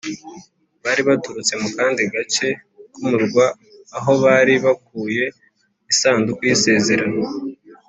bari baturutse mu kandi gace k’umurwa, aho bari bakuye isanduku y’isezerano.